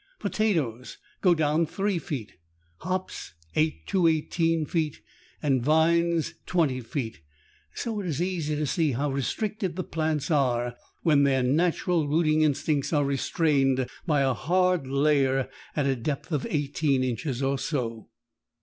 Potatoes go down three feet, hops eight to eighteen feet and vines twenty feet, so it is easy to see how restricted the plants are when their natural rooting instincts are restrained by a hard layer at a depth of eighteen inches or so.